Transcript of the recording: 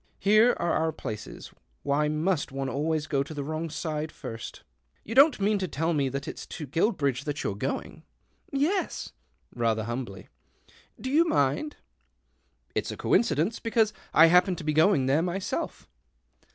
(Here are our places — vhy must one always go to the wrong side irst ?) You don't mean to tell me that it's to jruilbridge that you're going ?"" Y yes." Rather humbly, " Do you nind ?"" It's a coincidence, because I happen to be yoing there myself."